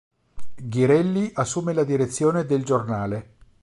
Ghirelli assume la direzione del giornale.